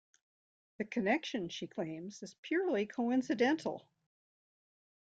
The connection, she claims, is purely coincidental.